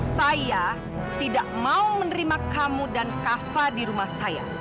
saya tidak mau menerima kamu dan kava di rumah saya